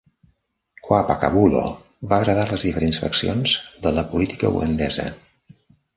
Wapakhabulo va agradar a les diferents faccions de la política ugandesa.